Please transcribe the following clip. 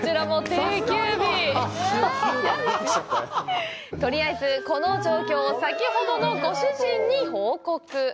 えぇ．とりあえず、この状況を先ほどのご主人に報告。